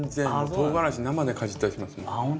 トウガラシ生でかじったりしますもん。